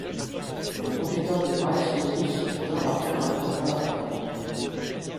Le Protecteur du Reich Heydrich meurt après un attentat à Prague.